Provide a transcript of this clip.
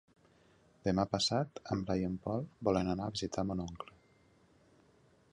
Demà passat en Blai i en Pol volen anar a visitar mon oncle.